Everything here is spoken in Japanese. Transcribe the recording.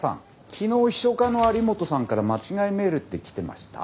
昨日秘書課の有本さんから間違いメールって来てました？